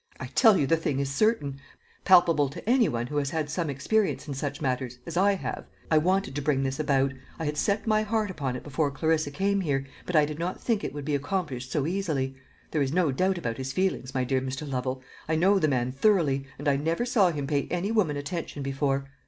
I tell you the thing is certain palpable to any one who has had some experience in such matters, as I have. I wanted to bring this about; I had set my heart upon it before Clarissa came here, but I did not think it would be accomplished so easily. There is no doubt about his feelings, my dear Mr. Lovel; I know the man thoroughly, and I never saw him pay any woman attention before.